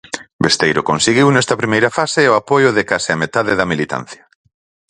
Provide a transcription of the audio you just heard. Besteiro conseguiu nesta primeira fase o apoio de case a metade da militancia.